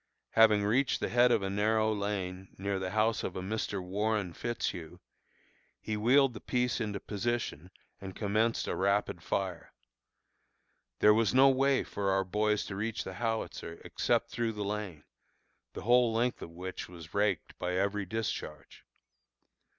Having reached the head of a narrow lane, near the house of a Mr. Warren Fitzhugh, he wheeled the piece into position and commenced a rapid fire. There was no way for our boys to reach the howitzer except through the lane, the whole length of which was raked by every discharge.